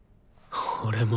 俺も。